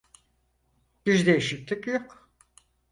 Bir değişiklik yok.